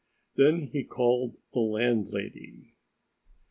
Then he called the landlady.